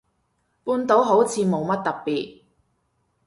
半島好似冇乜特別